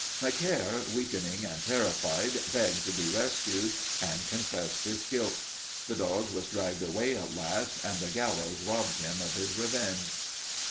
Macaire, weakening and terrified, begged to be rescued and confessed his guilt. The dog was dragged away at last and the gallows robbed him of his revenge."